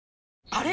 あれ？